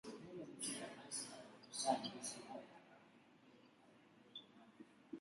Lakini Berlin bado ilikuwa mji mmoja.